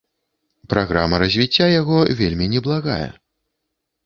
Праграма развіцця яго вельмі неблагая.